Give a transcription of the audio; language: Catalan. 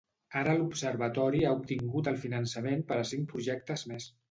Ara l'Observatori ha obtingut el finançament per a cinc projectes més.